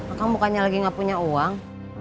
aku bukannya lagi gak punya uang